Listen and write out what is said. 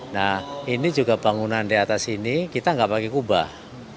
nah ini juga bangunan di atas ini kita nggak pakai kubah